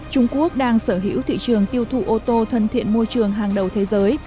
trung quốc đang sở hữu thị trường tiêu thụ ô tô thân thiện môi trường hàng đầu thế giới